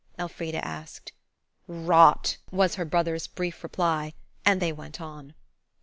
Elfrida asked. "Rot!" was her brother's brief reply, and they went on.